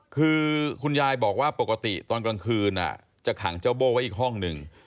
คือคุณยายบอกว่าปกติตอนกลางคืนจะขังเจ้าโบ้ไว้อีกห้องหนึ่ง